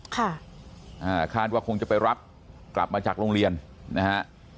ค่ะอ่าคาดว่าคงจะไปรับกลับมาจากโรงเรียนนะฮะ